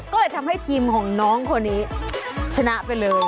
ก็เลยทำให้ทีมของน้องคนนี้ชนะไปเลย